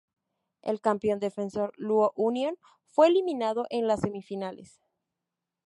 El campeón defensor Luo Union, Fue eliminado en las semifinales.